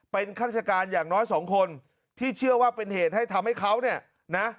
เป็นข้าราชการอย่างน้อยสองคนที่เชื่อว่าเป็นเหตุให้ทำให้เขาเนี่ยนะ